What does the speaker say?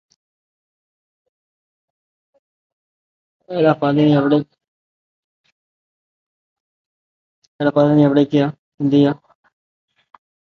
The work was characterized by its use of form, style and punctuation.